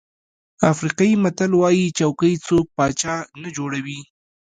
افریقایي متل وایي چوکۍ څوک پاچا نه جوړوي.